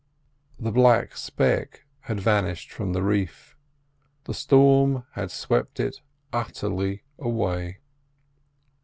The black speck had vanished from the reef; the storm had swept it utterly away.